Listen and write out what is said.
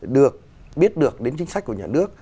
được biết được đến chính sách của nhà nước